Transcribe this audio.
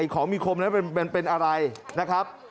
ของมีคมนั้นเป็นอะไรนะครับ